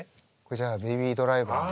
じゃあ「ベイビー・ドライバー」で。